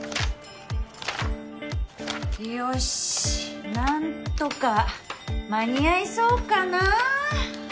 よしなんとか間に合いそうかな。